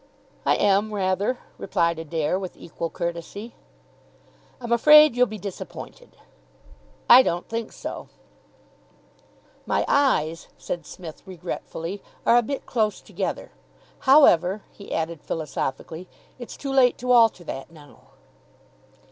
"I am, rather," replied Adair with equal courtesy. "I'm afraid you'll be disappointed." "I don't think so." "My eyes," said Psmith regretfully, "are a bit close together. However," he added philosophically, "it's too late to alter that now."